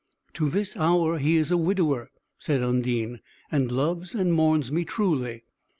"To this hour he is a widower," said Undine, "and loves and mourns me truly."